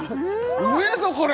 うめえぞこれ！